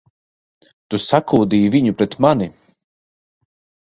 Tu sakūdīji viņu pret mani!